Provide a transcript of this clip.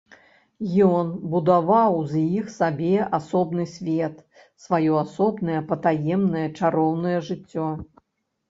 Ён будаваў з іх сабе асобны свет, сваё асобнае, патаемнае, чароўнае жыццё.